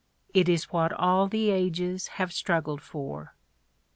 It is what all the ages have struggled for."